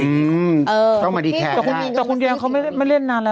อืมเออต้องมาดีแคลแต่คุณเยียมเขาไม่เล่นไม่เล่นนานแล้ว